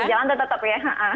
makan di jalan tetap ya